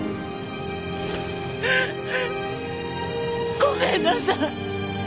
ごめんなさい！